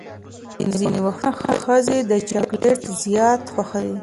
ځینې وختونه ښځې چاکلیټ زیات خوښوي.